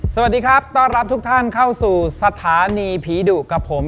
สวัสดีครับต้อนรับทุกท่านเข้าสู่สถานีผีดุกับผม